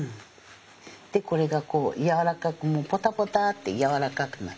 でこれがこうやわらかくポタポタってやわらかくなってる。